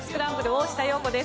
大下容子です。